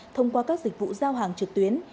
thông qua các dịch vụ giao hàng trực tuyến